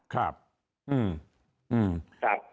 ครับอืมอืมครับ